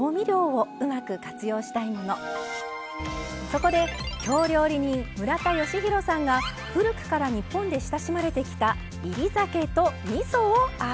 そこで京料理人村田吉弘さんが古くから日本で親しまれてきた煎り酒とみそをアレンジ。